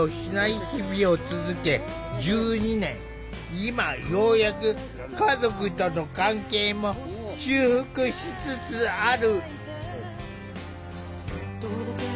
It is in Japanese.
今ようやく家族との関係も修復しつつある。